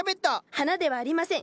花ではありません！